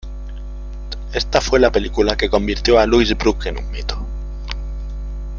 Esta fue la película que convirtió a Louise Brooks en un mito.